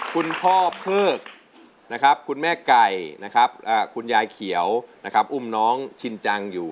คุณพ่อเพิกคุณแม่ไก่คุณยายเขียวอุ่มน้องชินจังอยู่